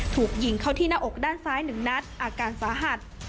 ถูกยิงเข้าที่หน้าอกด้านซ้าย๑นัดอาการสาหัส